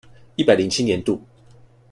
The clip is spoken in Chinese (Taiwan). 一百零七年度